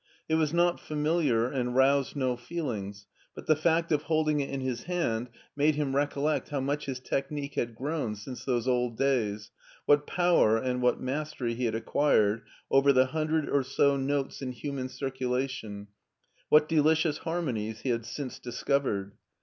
It was not familiar and roused no feelings, but the fact of holding it in his hand made him recollect how much his technique had grown since those old days, what power and what mastery he had acquired over the hundred or so notes in human circulation, what delicious harmonies he had since dis covered.